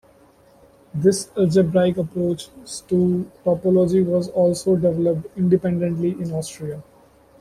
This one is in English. This algebraic approach to topology was also developed independently in Austria.